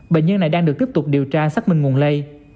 bệnh nhân này đang được tiếp tục điều tra xác minh nguồn lây